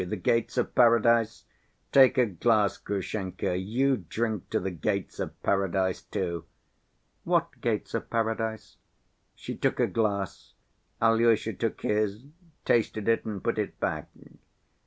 The gates of paradise? Take a glass, Grushenka, you drink to the gates of paradise, too." "What gates of paradise?" She took a glass, Alyosha took his, tasted it and put it back.